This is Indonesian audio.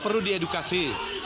perlu diberi edukasi